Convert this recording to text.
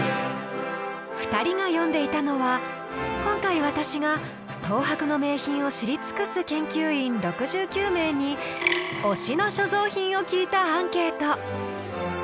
２人が読んでいたのは今回私が東博の名品を知り尽くす研究員６９名に「推しの所蔵品」を聞いたアンケート。